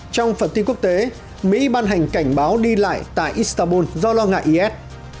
trong phần tin quốc tế mỹ ban hành cảnh báo đi lại tại istanbul do lo ngại is